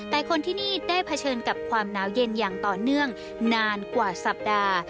แต่คนที่นี่ได้เผชิญกับความหนาวเย็นอย่างต่อเนื่องนานกว่าสัปดาห์